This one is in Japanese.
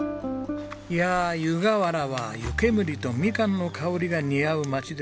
いやあ湯河原は湯煙とみかんの香りが似合う町ですよね。